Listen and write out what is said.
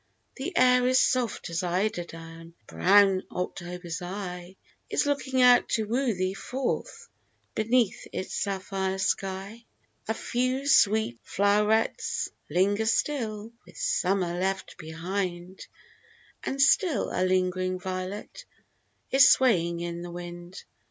The air is soft as eider down ; And brown October's eye Is looking out to woo thee forth Beneath its sapphire sky. AN AUTUMN INVITATION. 115 A few sweet flow'rets linger still, Which Summer left behind ; And still a lingering violet Is swaying in the wind.